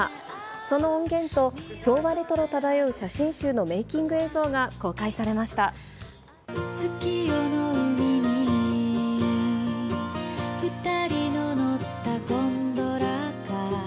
その音源と、昭和レトロ漂う写真集のメーキング映像が公開されました。